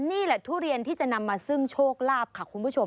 นี่แหละทุเรียนที่จะนำมาซึ่งโชคลาภค่ะคุณผู้ชม